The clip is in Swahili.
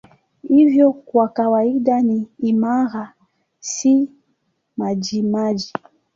Hivyo kwa kawaida ni imara, si majimaji.